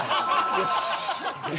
よし！